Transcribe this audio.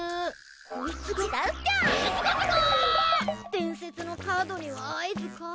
伝説のカードには会えずか。